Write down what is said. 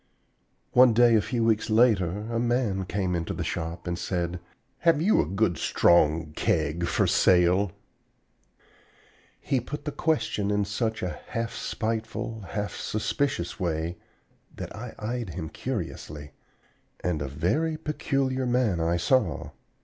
"One day a few weeks later a man came into the shop and said, 'Have you a good strong keg for sale?' "He put the question in such a half spiteful, half suspicious way that I eyed him curiously. And a very peculiar man I saw.